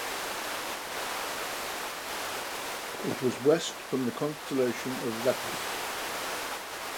It was west from the constellation of Lepus.